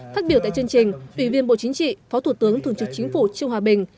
phát biểu tại chương trình ủy viên bộ chính trị phó thủ tướng thường trực chính phủ trương hòa bình